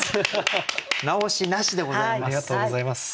直しなしでございます。